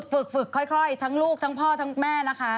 ฝึกค่อยทั้งลูกทั้งพ่อทั้งแม่นะคะ